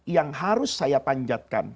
yang harus saya panjatkan